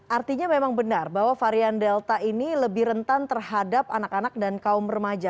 artinya memang benar bahwa varian delta ini lebih rentan terhadap anak anak dan kaum remaja